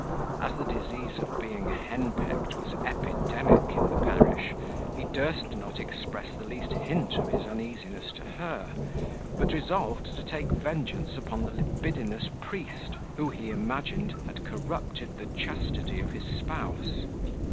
As the disease of being henpecked was epidemic in the parish, he durst not express the least hint of his uneasiness to her, but resolved to take vengeance on the libidinous priest, who he imagined had corrupted the chastity of his spouse.